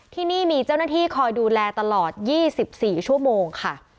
ที่นี่มีเจ้าหน้าที่คอยดูแลตลอด๒๔ชั่วโมงค่ะ